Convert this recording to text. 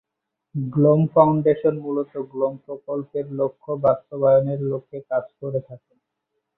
GNOME foundation মূলত GNOME প্রকল্পের লক্ষ্য বাস্তবায়নের লক্ষে কাজ করে থাকে।